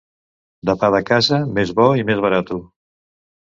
De pa de casa més bo i més barato.